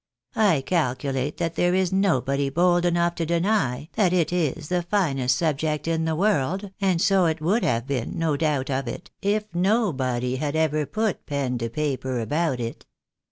I calculate that there is nobody bold enough to deny that it is the finest sub ject in the world, and so it would have been, no doubt of it, if nobody had ever put pen to paper about it.